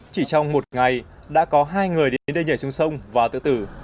chỉ trong một ngày đã có hai người đến đây nhảy xuống sông và tự tử